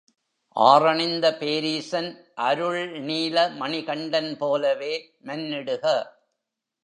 ஆறணிந்த பேரீசன் அருள்நீல மணிகண்டன் போலவே மன்னிடுக!